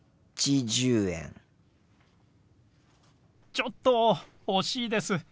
ちょっと惜しいです。